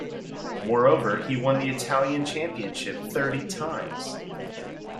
Moreover, he won the Italian championship thirty times.